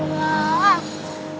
bening kamu yakin